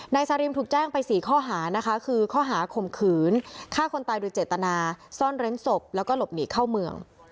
นายซาริมถูกแจ้งไป๔ข้อหานะคะคือข้อหาข่มขืนฆ่าคนตายโดยเจตนาซ่อนเร้นศพแล้วก็หลบหนีเข้าเมือง